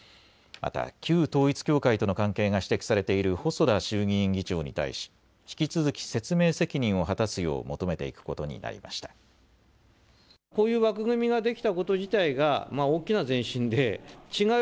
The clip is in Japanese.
また旧統一教会との関係が指摘されている細田衆議院議長に対し引き続き説明責任を果たすよう求めていくことになりました。